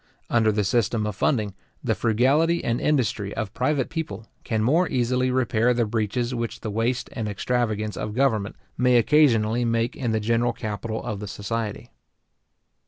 Under the system of funding, the frugality and industry of private people can more easily repair the breaches which the waste and extravagance of government may occasionally make in the general capital of the society.